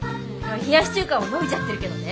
冷やし中華ものびちゃってるけどね。